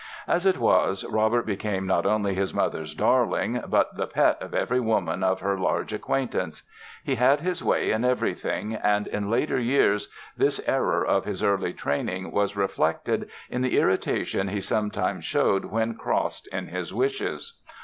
As it was, Robert became not only his mother's darling but the pet of every woman of her large acquaintance. He had his way in everything and in later years this error of his early training was reflected in the irritation he sometimes showed when crossed in his wishes.